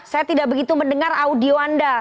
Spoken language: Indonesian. saya tidak begitu mendengar audio anda